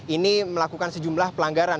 ini melakukan sejumlah pelanggaran